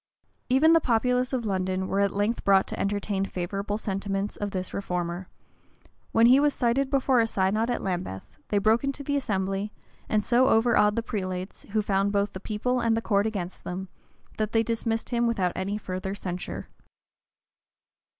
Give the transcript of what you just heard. [] Even the populace of London were at length brought to entertain favorable sentiments of this reformer: when he was cited before a synod at Lambeth, they broke into the assembly, and so overawed the prelates, who found both the people and the court against them, that they dismissed him without any further censure.